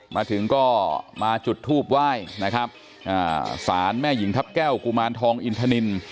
มาถึงก็มาจุดทูบไหว้นะครับอ่าสารแม่หญิงทัพแก้วกุมารทองอินทนิน